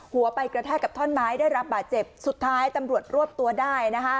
หัวไปกระแทกกับท่อนไม้ได้รับบาดเจ็บสุดท้ายตำรวจรวบตัวได้นะคะ